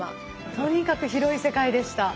とにかく広い世界でした。